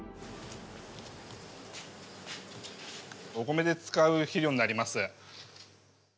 おコメで使う肥料になります。